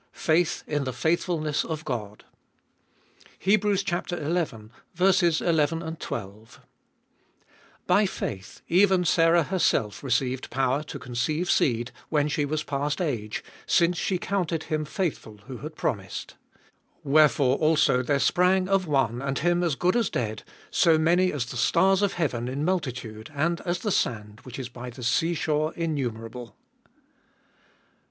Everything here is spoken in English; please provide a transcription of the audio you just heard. — FAITH IN THE FAITHFULNESS OF GOD. XI.— 11. By faith, even Sarah herself received power to conceive seed when she was past age, since she counted him faithful who had promised : 12. Wherefore also there sprang of one, and him as good as dead, so many, as the stars of heaven in multitude, and as the sand, which is by the sea shore, innumerable.